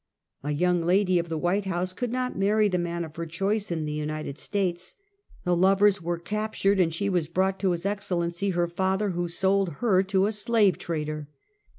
A young lady of the White House could not marry the man of her choice in the United States. The lovers were captured, and she was brought to His Excellency, her father, who sold her to a slave trader.